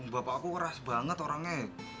bapak aku keras banget orangnya